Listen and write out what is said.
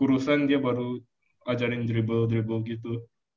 kurusan dia baru ajarin dribble dribble gitu